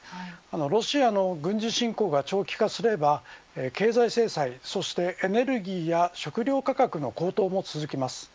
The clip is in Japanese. ロシアの軍事侵攻が長期化すれば経済制裁、そしてエネルギーや食料価格の高騰も続きます。